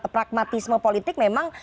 pragmatisme politik memang